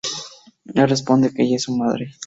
Él responde que ella es su madre.